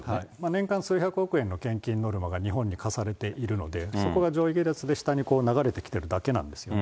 年間数百億円の献金ノルマが日本に課されているので、そこがで下に流れてきてるだけなんです。